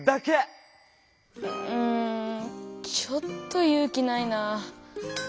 うんちょっとゆう気ないなぁ。